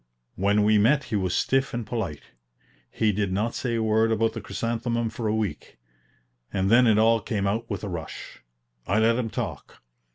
When we met he was stiff and polite. He did not say a word about the chrysanthemum for a week, and then it all came out with a rush. I let him talk.